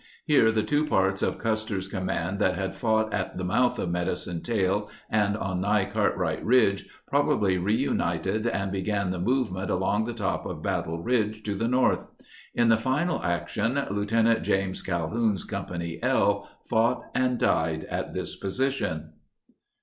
Here the two parts of Custer's command that had fought at the mouth of Medicine Tail and on Nye Cartwright Ridge probably re united and began the move ment along the top of Battle Ridge to the north. In the final actions, Lt. James Cal houn's Company L fought and died at this position.